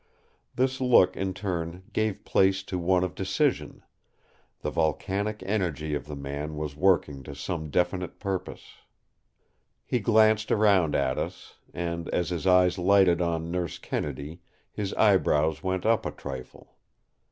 This look in turn gave place to one of decision; the volcanic energy of the man was working to some definite purpose. He glanced around at us; and as his eyes lighted on Nurse Kennedy his eyebrows went up a trifle.